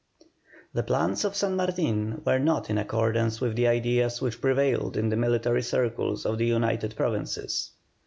The plans of San Martin were not in accordance with the ideas which prevailed in the military circles of the United Provinces.